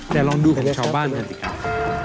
แต่ลองดูของชาวบ้านกันสิครับ